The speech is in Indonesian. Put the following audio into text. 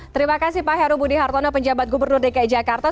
terima kasih pak heru budi hartono penjabat gubernur dki jakarta